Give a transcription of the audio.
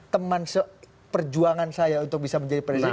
teman perjuangan saya untuk bisa menjadi presiden